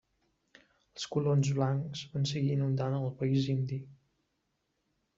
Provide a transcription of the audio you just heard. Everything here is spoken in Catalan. Els colons blancs van seguir inundant el país indi.